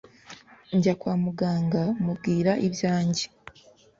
njya kwa muganga mubwira ibyanjye